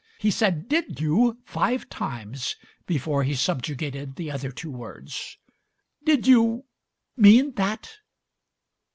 He said "Did you" five times before he subjugated the other two words. "Did you— mean that?"